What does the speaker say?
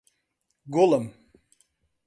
گوڵم!